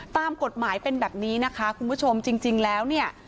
ตามกฎหมายเป็นแบบนี้นะคะคุณผู้ชมจริงแล้วเนี่ย